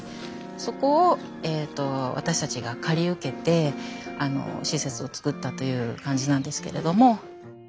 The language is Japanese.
そこを私たちが借り受けて施設をつくったという感じなんですけれども。